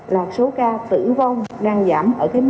và xét nghiệm lại từ ngày thứ năm